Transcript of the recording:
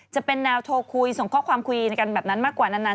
จะเป็นแนวโทรคุยส่งข้อความคุยกันแบบนั้นมากกว่านาน